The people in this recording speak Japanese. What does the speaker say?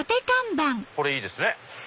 これいいですね